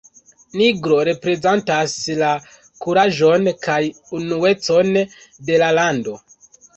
Nigro reprezentas la kuraĝon kaj unuecon de la lando.